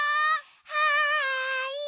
はい！